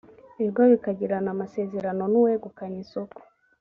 ibigo bikagirana amasezerano n’uwegukanye isoko